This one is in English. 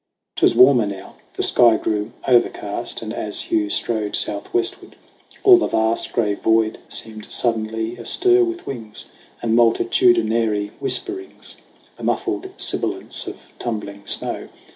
J Twas warmer now ; the sky grew overcast ; And as Hugh strode southwestward, all the vast Gray void seemed suddenly astir with wings And multitudinary whisperings The muffled sibilance of tumbling snow.